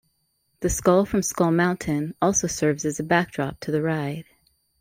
The skull from Skull Mountain also serves as a backdrop to the ride.